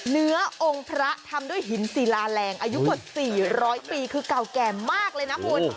องค์พระทำด้วยหินศิลาแรงอายุกว่า๔๐๐ปีคือเก่าแก่มากเลยนะคุณ